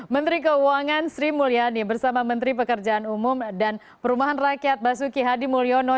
menteri keuangan sri mulyani bersama menteri pekerjaan umum dan perumahan rakyat basuki hadi mulyono